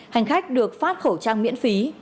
hành khách được phát khẩu trang miễn phí